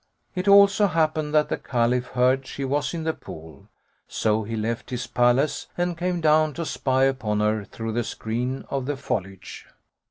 It also happened that the Caliph heard she was in the pool; so he left his palace and came down to spy upon her through the screen of the foliage.